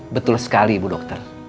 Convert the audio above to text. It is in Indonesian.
betul sekali bu dokter